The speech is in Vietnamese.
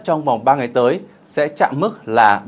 trong vòng ba ngày tới sẽ chạm mức là